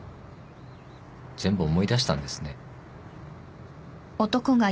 全部思い出したんですね。